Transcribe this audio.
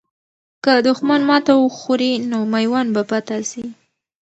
که دښمن ماته وخوري، نو میوند به فتح سي.